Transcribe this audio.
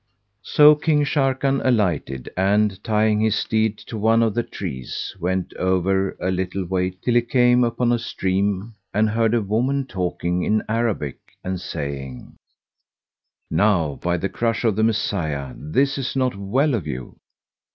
So King Sharrkan alighted and, tying his steed to one of the trees, went over a little way till he came upon a stream and heard a woman talking in Arabic and saying, "Now by the truth of the Messiah, this is not well of you!